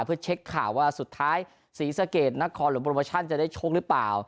เพื่อเช็คข่าวว่าสุดท้ายศรีสะเกดนครหลวงโปรโมชั่นจะได้โชคหรือเปล่า